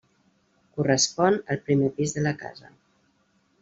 Correspon al primer pis de la casa.